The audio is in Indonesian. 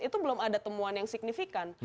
itu belum ada temuan yang signifikan